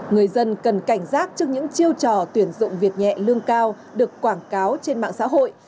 người dân cần cảnh giác trước những chiêu trò tuyển dụng việc nhẹ lương cao được quảng cáo trên mạng xã hội